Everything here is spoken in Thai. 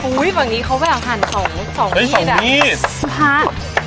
อุ้ยฝั่งนี้เขาแบบหันสองสองนี่ด่ะเอ้ยสองนี่ด่ะค่ะ